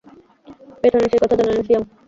পেছনের সেই কথা জানালেন সিয়াম।